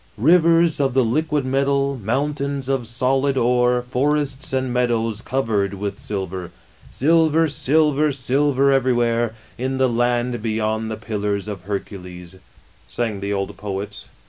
" Rivers of the liquid metal, mountains of solid ore, forests and meadows covered with silver : silver, silver, silver everywhere, in the land beyond the Pillars of Hercules/' sang the old peats.